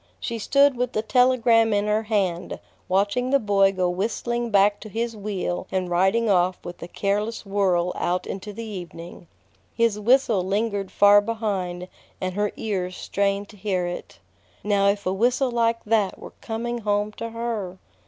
She stood with the telegram in her hand, watching the boy go whistling back to his wheel and riding off with a careless whirl out into the evening. His whistle lingered far behind, and her ears strained to hear it. Now if a whistle like that were coming home to her!